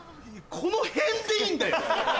この辺でいいんだよ！